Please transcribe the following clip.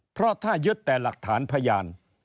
เพราะถ้ายึดแต่หลักฐานพยาน